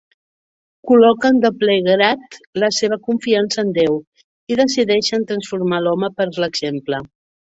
Col·loquen de ple grat la seva confiança en Déu i decideixen transformar l'home per l'exemple.